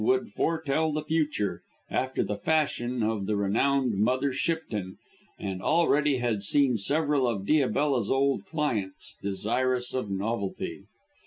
would foretell the future after the fashion of the renowned Mother Shipton, and already had seen several of Diabella's old clients, desirous of novelty.